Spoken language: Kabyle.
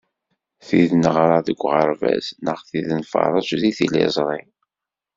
Tid neɣra deg uɣerbaz, neɣ tid i nferreǧ deg tiliẓri.